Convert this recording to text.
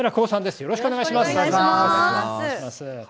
よろしくお願いします。